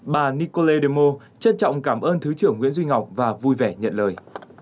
bà nikole demo trân trọng cảm ơn thứ trưởng nguyễn duy ngọc và vui vẻ nhận lời